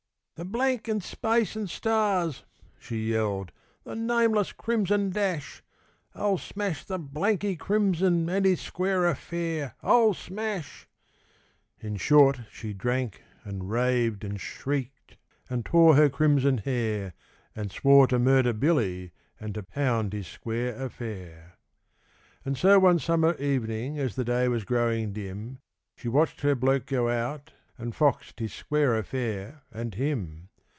'The blank and space and stars!' she yelled; 'the nameless crimson dash! I'll smash the blanky crimson and his square affair, I'll smash' In short, she drank and raved and shrieked and tore her crimson hair, And swore to murder Billy and to pound his square affair. And so one summer evening, as the day was growing dim, She watched her bloke go out, and foxed his square affair and him.